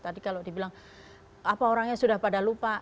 tadi kalau dibilang apa orangnya sudah pada lupa